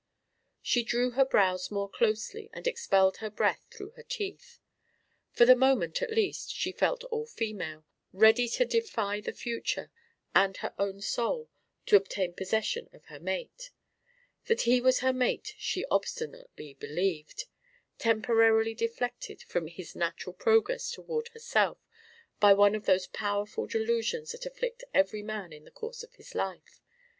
She drew her brows more closely and expelled her breath through her teeth. For the moment, at least, she felt all female, ready to defy the future and her own soul to obtain possession of her mate. That he was her mate she obstinately believed, temporarily deflected from his natural progress toward herself by one of those powerful delusions that afflict every man in the course of his life.